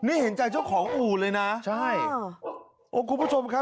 นี่เห็นใจเจ้าของอู่เลยนะใช่โอ้คุณผู้ชมครับ